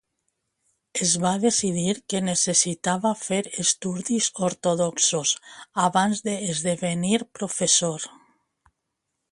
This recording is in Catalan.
Es va decidir que necessitava fer estudis ortodoxos abans d'esdevenir professor.